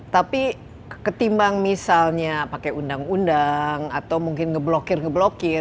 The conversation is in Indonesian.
tapi ketimbang misalnya pakai undang undang atau mungkin ngeblokir ngeblokir